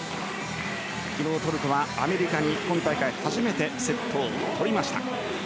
昨日、トルコはアメリカから今大会初めてセットを取りました。